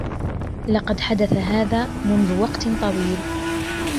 لقد حدث هذا منذ وقت طويل.